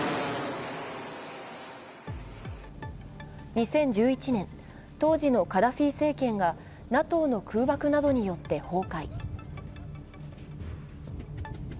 ２０１１年、当時のカダフィ政権が、ＮＡＴＯの空爆などによって崩壊。